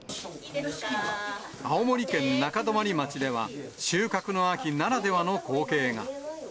青森県中泊町では、収穫の秋ならではの光景が。